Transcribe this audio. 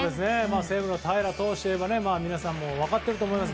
西武の平良投手皆さんも分かっていると思います。